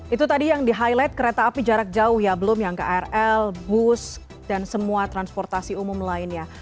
itu tadi yang di highlight kereta api jarak jauh ya belum yang krl bus dan semua transportasi umum lainnya